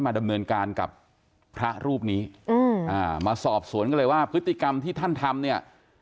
ดำเนินการกับพระรูปนี้อืมอ่ามาสอบสวนกันเลยว่าพฤติกรรมที่ท่านทำเนี่ย